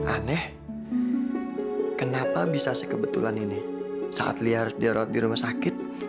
aneh kenapa bisa sekebetulan ini saat lia harus dirawat di rumah sakit